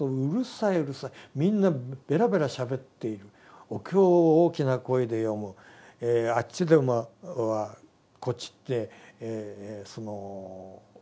みんなベラベラしゃべっているお経を大きな声で読むあっちではこっちいって将棋を打ってる。